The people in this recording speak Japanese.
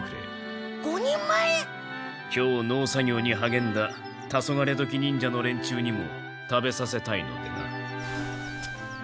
今日農作業にはげんだタソガレドキ忍者の連中にも食べさせたいのでな。